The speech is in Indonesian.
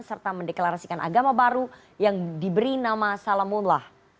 serta mendeklarasikan agama baru yang diberi nama salamunlah